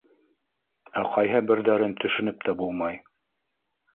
Ә ҡайһы берҙәрен төшөнөп тә булмай.